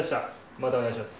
またお願いします。